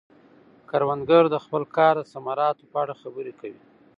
کروندګر د خپل کار د ثمراتو په اړه خبرې کوي